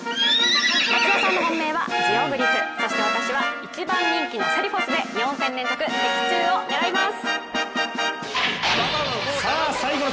松田さんの本命はジオグリフ、私は１番人気のセリフォスで４戦連続的中を狙います。